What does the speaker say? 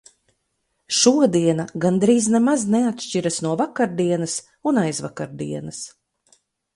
Šodiena gandrīz nemaz neatšķiras no vakardienas un aizvakardienas.